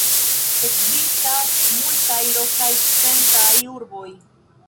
Ekzistas multaj lokaj centraj urboj.